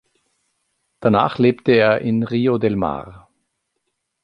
Danach lebte er in Rio del Mar.